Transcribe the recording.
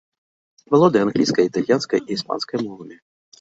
Валодае англійскай, італьянскай і іспанскай мовамі.